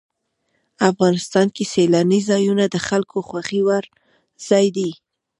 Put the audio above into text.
افغانستان کې سیلاني ځایونه د خلکو خوښې وړ ځای دی.